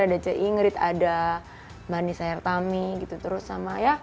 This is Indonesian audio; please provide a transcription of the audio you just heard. ada c i ngerit ada marni sayartami gitu terus sama ya